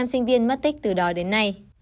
năm sinh viên mất tích từ đó đến nay